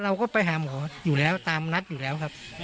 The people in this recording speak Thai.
เราก็ไปหาหมออยู่แล้วตามนัดอยู่แล้วครับ